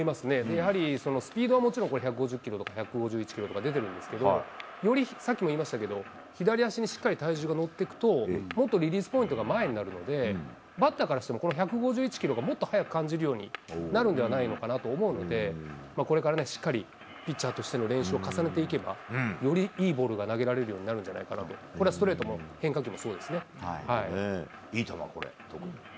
やはりスピードはもちろん、１５０キロとか、１５１キロとか出てるんですけども、より、さっきも言いましたけど、左足にしっかり体重が乗っていくと、もっとリリースポイントが前になるので、バッターからしても、この１５１キロがもっと速く感じるようになるんではないのかなと思うので、これからしっかり、ピッチャーとしての練習を重ねていけば、よりいいボールが投げられるようになるんじゃないかなと、これ、ストレートも変化球もそういい球、これ、特に。